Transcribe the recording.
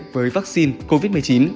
với vaccine covid một mươi chín